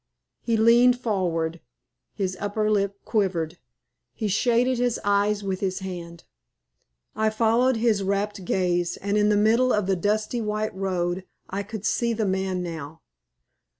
He leaned forward; his upper lip quivered; he shaded his eyes with his hand. I followed his rapt gaze, and in the middle of the dusty white road I could see the man now.